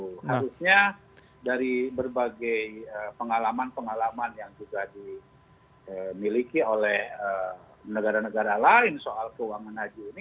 harusnya dari berbagai pengalaman pengalaman yang juga dimiliki oleh negara negara lain soal keuangan haji ini